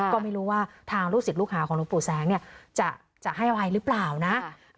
ก็ไม่รู้ว่าทางลูกศิษย์ลูกหาของหลวงปู่แสงเนี่ยจะให้อะไรหรือเปล่านะ